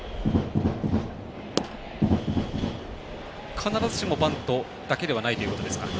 必ずしもバントだけではないということですか。